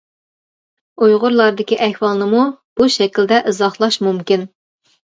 ئۇيغۇرلاردىكى ئەھۋالنىمۇ بۇ شەكىلدە ئىزاھلاش مۇمكىن.